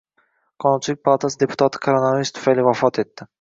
Qonunchilik palatasi deputati koronavirus tufayli vafot etdi